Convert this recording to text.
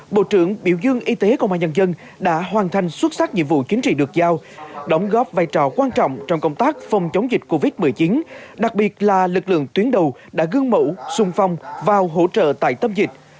bộ trưởng biểu dương y tế công an nhân dân đã hoàn thành xuất sắc nhiệm vụ chính trị được giao đóng góp vai trò quan trọng trong công tác phòng chống dịch covid một mươi chín đặc biệt là lực lượng tuyến đầu đã gương mẫu sung phong vào hỗ trợ tại tâm dịch